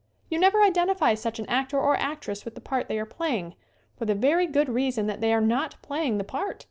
You never identify such an actor or actress with the part they are playing for the very good reason that they are not playing the part.